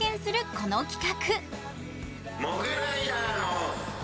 この企画。